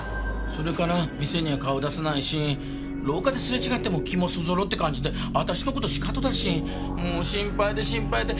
それから店には顔出さないし廊下ですれ違っても気もそぞろって感じで私の事シカトだしもう心配で心配で。